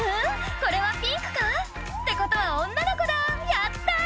これはピンクか？ってことは女の子だやった！